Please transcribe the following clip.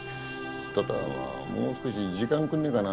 ただもう少し時間くんねえかな。